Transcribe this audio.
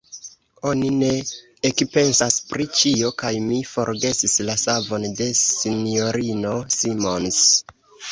Oni ne ekpensas pri ĉio, kaj mi forgesis la savon de S-ino Simons.